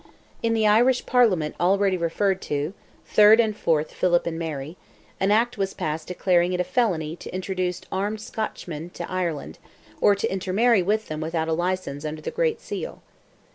In the Irish Parliament already referred to (3rd and 4th Philip and Mary) an Act was passed declaring it a felony to introduce armed Scotchmen into Ireland, or to intermarry with them without a license under the great seal.